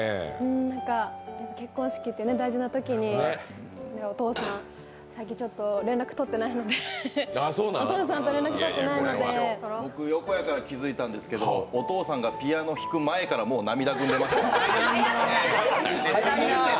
結婚式って大事なときにお父さん、最近、ちょっと連絡とってないので横やから気づいたんですけどお父さんがピアノを弾く前からもう涙ぐんでましたね。